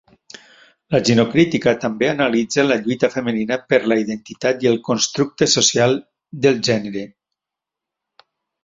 La ginocrítica també analitza la lluita femenina per la identitat i el constructe social del gènera